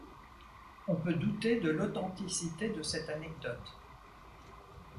On peut douter de l'authenticité de cette anecdote.